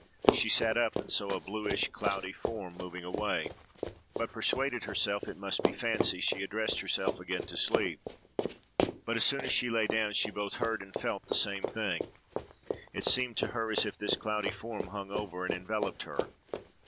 She sat up, and saw a bluish, cloudy form moving away; but persuading herself it must be fancy, she addressed herself again to sleep; but as soon as she lay down, she both heard and felt the same thing: it seemed to her as if this cloudy form hung over and enveloped her.